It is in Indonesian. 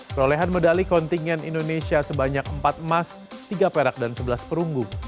perolehan medali kontingen indonesia sebanyak empat emas tiga perak dan sebelas perunggu